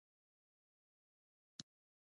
سوالګر ته دا وښایه چې انسان دی